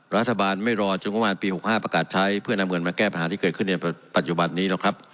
รัฐบาลไม่รอจนงบประมาณปี๖๕ประกาศใช้เพื่อนำเงินมาแก้ปัญหาที่เกิดขึ้นในปัจจุบันนี้หรอกครับ